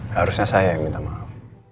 harusnya saya yang minta maaf